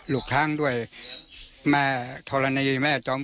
คุดดินดิคุดดินเอา